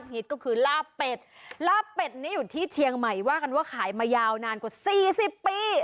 ฮิตก็คือลาบเป็ดลาบเป็ดนี้อยู่ที่เชียงใหม่ว่ากันว่าขายมายาวนานกว่าสี่สิบปี